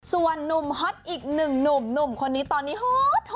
ส่วนนุ่มฮอตอีกหนึ่งหนุ่มหนุ่มคนนี้ตอนนี้ฮอต